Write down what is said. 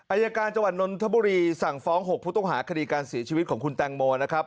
อายการจังหวัดนนทบุรีสั่งฟ้อง๖ผู้ต้องหาคดีการเสียชีวิตของคุณแตงโมนะครับ